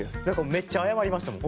めっちゃ謝りましたもん。